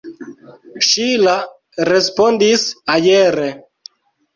Ŝila respondis aere.